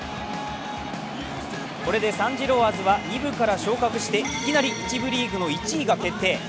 これでサン＝ジロワーズは２部から昇格していきなり１部リーグの１位が決定。